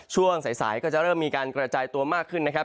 ช่วงสายก็จะเริ่มมีการกระจายตัวมากขึ้นนะครับ